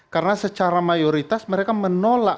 karena secara mayoritas mereka menolak